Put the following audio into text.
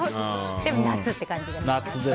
でも夏って感じがしますね。